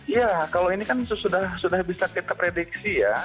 iya kalau ini kan sudah bisa kita prediksi ya